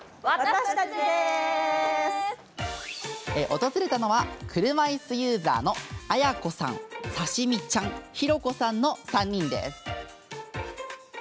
訪れたのは、車いすユーザーあやこさん、さしみちゃんひろこさんの３人です。